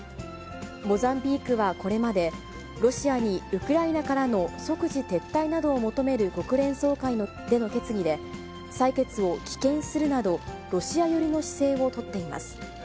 モザンビークはこれまで、ロシアにウクライナからの即時撤退などを求める国連総会での決議で採決を棄権するなど、ロシア寄りの姿勢を取っています。